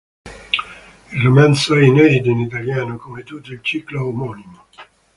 Il romanzo è inedito in italiano, come tutto il ciclo omonimo.